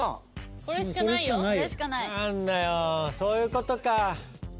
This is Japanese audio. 何だよそういうことか。